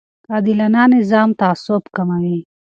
عادلانه نظام تعصب کموي